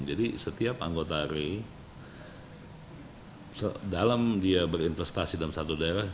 jadi setiap anggota ri dalam dia berinterestasi dalam satu daerah